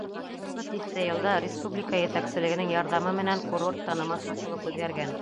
Һуңғы тиҫтә йылда республика етәкселегенең ярҙамы менән курорт танымаҫлыҡ булып үҙгәргән.